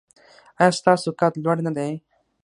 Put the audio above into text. ایا ستاسو قد لوړ نه دی؟